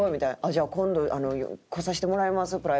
「じゃあ今度来させてもらいますプライベートで」みたいな。